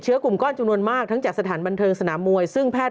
กลุ่มก้อนจำนวนมากทั้งจากสถานบันเทิงสนามมวยซึ่งแพทย์